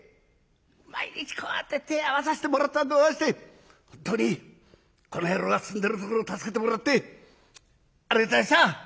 毎日こうやって手合わさせてもらったんでござんして本当にこの野郎がすんでのところを助けてもらってありがとうございました！